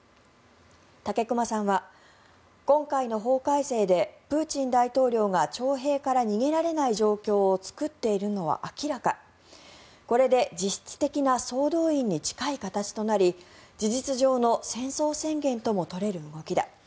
武隈さんは、今回の法改正でプーチン大統領が徴兵から逃げられない状況を作っているのは明らかこれで実質的な総動員に近い形となり事実上の戦争宣言とも取れる動きだ。